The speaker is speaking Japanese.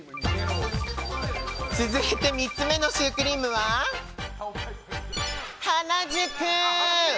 続いて３つ目のシュークリームは原宿！